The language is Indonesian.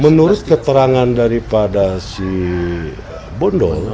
menurut keterangan daripada si bondol